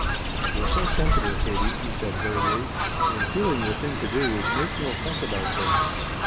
"You're so sensible, Katie," he said hurriedly, "in feeling the thing to do is make no fuss about things.